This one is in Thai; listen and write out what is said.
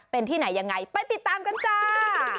เป็นที่ไหนยังไงไปติดตามกันจ้า